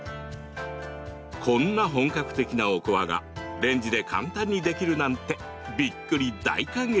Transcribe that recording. こんな本格的なおこわがレンジで簡単にできるなんてびっくり大感激！